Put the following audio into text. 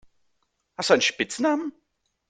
Hast du einen Spitznamen?